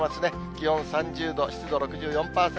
気温３０度、湿度６４％。